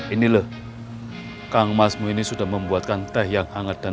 ini loh kang masmu ini sudah membuatkan teh yang hangat dan